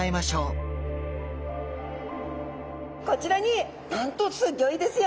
こちらになんとすギョいですよ。